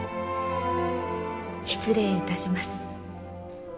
失礼いたします。